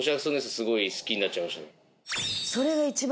すごい好きになっちゃいました。